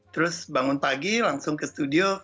terus bangun pagi langsung ke studio